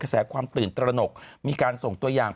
แสความตื่นตระหนกมีการส่งตัวอย่าง